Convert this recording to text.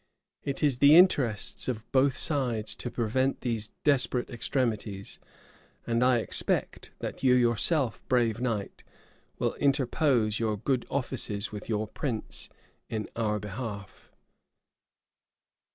It is the interest of both sides to prevent these desperate extremities; and I expect that you yourself, brave knight, will interpose your good offices with your prince in our behalf."